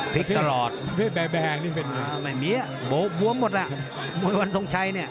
พลิกตลอดแบงนี่เป็นไงไม่มีบวมหมดแล้วมวยวันทรงชัยเนี่ย